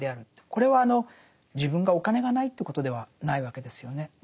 これは自分がお金がないということではないわけですよね。